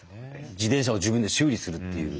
自転車を自分で修理するっていう。